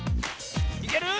いける？